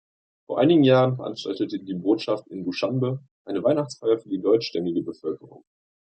Vor einigen Jahren veranstaltete die Botschaft in Duschanbe eine "Weihnachtsfeier" für die deutschstämmige Bevölkerung.